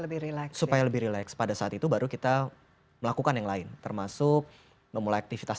lebih relax supaya lebih relax pada saat itu baru kita melakukan yang lain termasuk memulai aktivitas